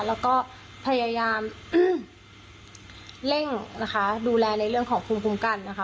แล้วก็พยายามเร่งนะคะดูแลในเรื่องของภูมิคุ้มกันนะคะ